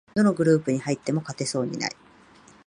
どのグループに入っても勝てそうにない